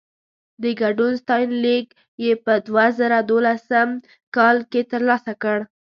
د ګډون ستاینلیک يې په دوه زره دولسم کال کې ترلاسه کړ.